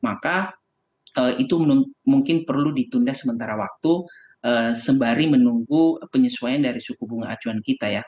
maka itu mungkin perlu ditunda sementara waktu sembari menunggu penyesuaian dari suku bunga acuan kita ya